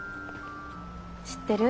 知ってる？